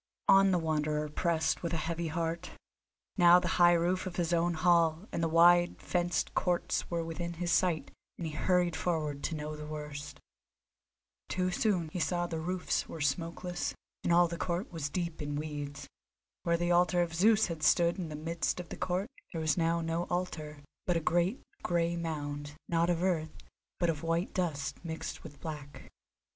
On the Wanderer pressed with a heavy heart; now the high roof of his own hall and the wide fenced courts were within his sight, and he hurried forward to know the worst. Too soon he saw that the roofs were smokeless, and all the court was deep in weeds. Where the altar of Zeus had stood in the midst of the court there was now no altar, but a great, grey mound, not of earth, but of white dust mixed with black.